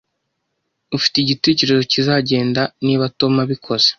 Ufite igitekerezo kizagenda niba Tom abikoze?